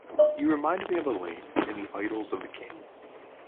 You remind me of Elaine in the ‘Idylls of the King’.